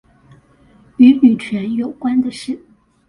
與女權有關的事